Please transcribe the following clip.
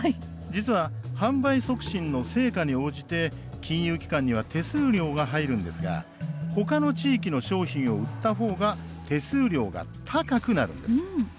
実は販売促進の成果に応じて金融機関には手数料が入るんですがほかの地域の商品を売ったほうが手数料が高くなるんです。